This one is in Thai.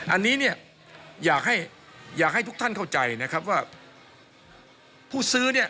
อันนี้อยากให้ทุกท่านเข้าใจว่าผู้ซื้อ